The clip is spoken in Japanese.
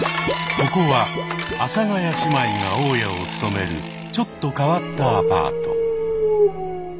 ここは阿佐ヶ谷姉妹が大家を務めるちょっと変わったアパート。